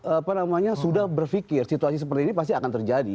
apa namanya sudah berpikir situasi seperti ini pasti akan terjadi